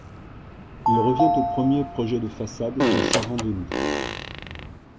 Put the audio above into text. Il revient au premier projet de façade de Servandoni.